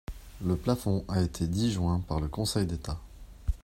Le plafond a été disjoint par le Conseil d’État.